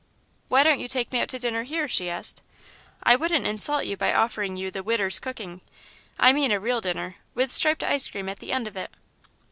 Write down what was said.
"Why don't you take me out to dinner here?" she asked. "I wouldn't insult you by offering you the 'Widder's' cooking. I mean a real dinner, with striped ice cream at the end of it."